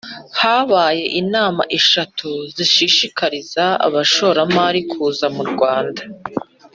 Habaye inama eshatu zashishikarizaga abashoramari kuza mu Rwanda